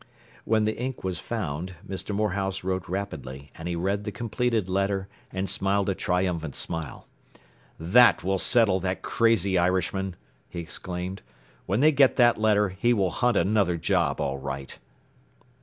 When the ink was found Mr. Morehouse wrote rapidly, and he read the completed letter and smiled a triumphant smile. “That will settle that crazy Irishman!” he exclaimed. “When they get that letter he will hunt another job, all right!